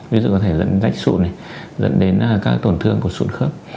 ví dụ có thể dẫn đến rách sụn dẫn đến các tổn thương của sụn khớp